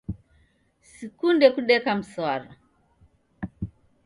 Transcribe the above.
Sikunde kudeka mswara